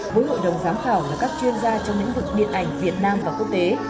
với hội đồng giám khảo là các chuyên gia trong lĩnh vực điện ảnh việt nam và quốc tế